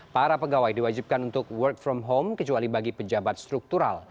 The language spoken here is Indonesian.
para pegawai diwajibkan untuk work from home kecuali bagi pejabat struktural